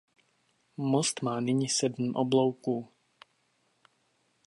Most má nyní sedm oblouků.